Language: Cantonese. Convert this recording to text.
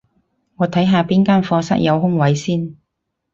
我睇下邊間課室有空位先